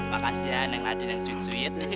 makasih ya neng nadien yang sweet sweet